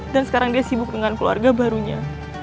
dan sekarang dia sibuk dengan keluarga barunya